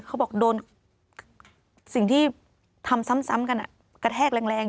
เขาบอกโดนสิ่งที่ทำซ้ำกันกระแทกแรง